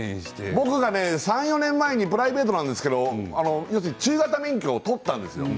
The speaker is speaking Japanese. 僕が３、４年前にプライベートなんですけれども中型免許を取ったんですよ。